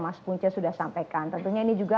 mas punca sudah sampaikan tentunya ini juga